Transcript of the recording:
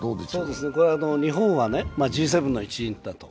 日本はＧ７の一員だと。